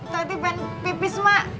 tadi pengen pipis mak